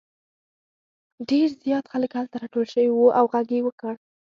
ډېر زیات خلک هلته راټول شوي وو او غږ یې وکړ.